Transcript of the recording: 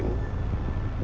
dan gue gak akan biarin